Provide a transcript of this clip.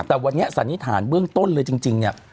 แต่วันนี้สันนิษฐานเบื้องต้นเลยจริงเนี่ย